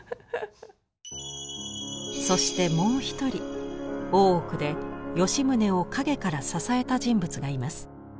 そしてもう一人大奥で吉宗を陰から支えた人物がいます。